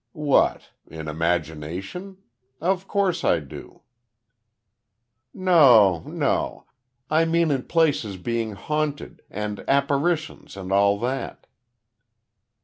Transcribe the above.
"What? In imagination? Of course I do." "No no. I mean in places being haunted, and apparitions and all that?"